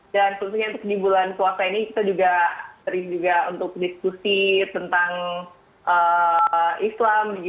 dan tentunya untuk di bulan puasa ini kita juga sering juga untuk diskusi tentang islam